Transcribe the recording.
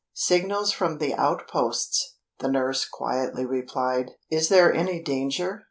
"Signals from the outposts," the nurse quietly replied. "Is there any danger?